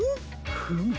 フム。